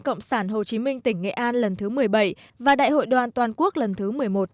cộng sản hồ chí minh tỉnh nghệ an lần thứ một mươi bảy và đại hội đoàn toàn quốc lần thứ một mươi một